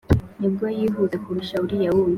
ntabwo yihuta kurusha uriy wundi;